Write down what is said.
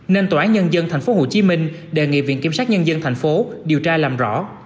nên tòa án nhân dân tp hcm đề nghị viện kiểm sát nhân dân tp hcm điều tra làm rõ